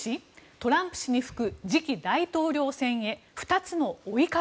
トランプ氏に吹く次期大統領選へ２つの追い風。